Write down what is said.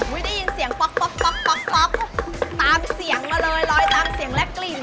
อุ้ยได้ยินเสียงป๊อกป๊อกป๊อกป๊อกป๊อกตามเสียงมาเลยร้อยตามเสียงและกลิ่น